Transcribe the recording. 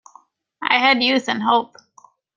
I had youth and hope.